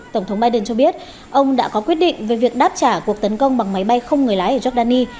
tổng thống biden cho biết ông đã có quyết định về việc đáp trả cuộc tấn công bằng máy bay không người lái ở giordani